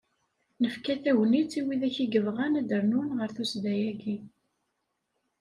Nefka tagnit i widak i yebɣan ad d-rnun ɣer tudsa-agi.